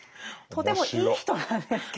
とてもいい人なんですけどなぜか。